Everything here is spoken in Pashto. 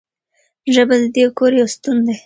ژبه د دې کور یو ستون دی.